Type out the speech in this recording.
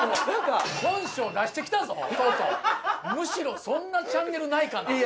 「むしろそんなチャンネルないかな」